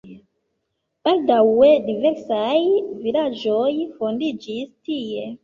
Baldaŭe diversaj vilaĝoj fondiĝis tie.